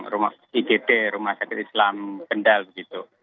rumah igd rumah sakit islam kendal begitu